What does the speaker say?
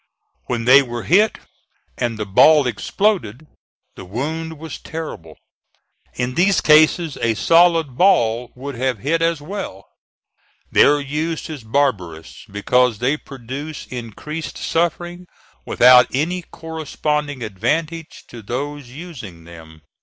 When they were hit and the ball exploded, the wound was terrible. In these cases a solid ball would have hit as well. Their use is barbarous, because they produce increased suffering without any corresponding advantage to those using them.